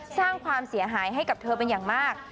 สร้างความเสียหายให้กับเธอเป็นอย่างมาก